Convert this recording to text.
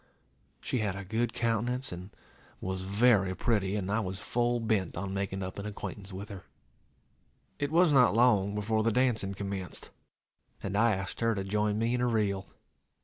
She had a good countenance, and was very pretty, and I was full bent on making up an acquaintance with her. It was not long before the dancing commenced, and I asked her to join me in a reel.